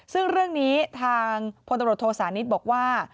ซึ่งเรื่องนี้ทางพลตำรวจโทษานิทบอกว่า